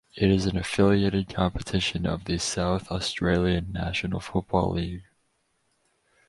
It is an affiliated competition of the South Australian National Football League.